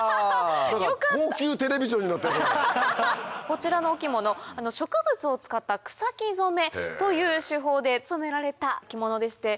こちらのお着物植物を使った草木染めという手法で染められた着物でして。